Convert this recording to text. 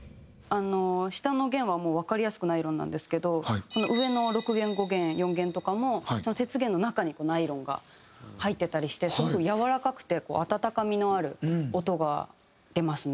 下の弦はもうわかりやすくナイロンなんですけどこの上の６弦５弦４弦とかも鉄弦の中にナイロンが入ってたりしてすごくやわらかくて温かみのある音が出ますね。